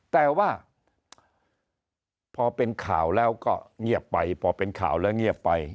แต่ว่าพอเป็นข่าวแล้วก็เงียบไปพอเป็นข่าวแล้วเงียบไป